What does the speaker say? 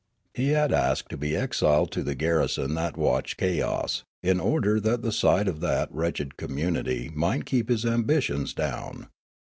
He had asked to be exiled to the garrison that watched Kayoss, in order that the sight of that wretched community might keep his ambitions down.